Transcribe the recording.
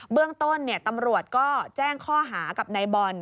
เบื้องต้นตำรวจก็แจ้งข้อหากับนายบอล